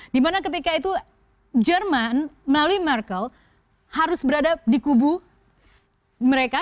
dimana ketika itu jerman melalui markle harus berada di kubu mereka